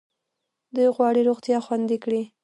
دوی غواړي روغتیا خوندي کړي.